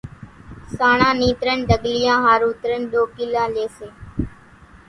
سانڻان نِي ترڃين ڍڳليان ۿارُو ترڃ ڏوڪيلا لئي سي،